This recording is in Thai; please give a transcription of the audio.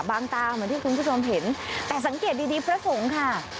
บางตาเหมือนที่คุณผู้ชมเห็นแต่สังเกตดีพระสงฆ์ค่ะ